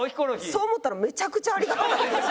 そう思ったらめちゃくちゃありがたいです。